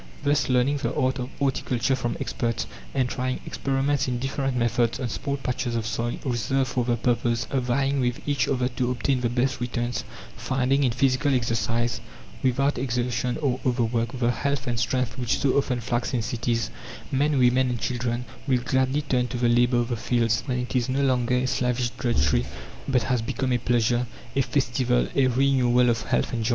Thus, learning the art of horticulture from experts, and trying experiments in different methods on small patches of soil reserved for the purpose, vying with each other to obtain the best returns, finding in physical exercise, without exhaustion or overwork, the health and strength which so often flags in cities, men, women and children will gladly turn to the labour of the fields, when it is no longer a slavish drudgery, but has become a pleasure, a festival, a renewal of health and joy.